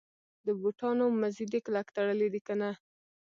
د بوټانو مزي دي کلک تړلي دي کنه.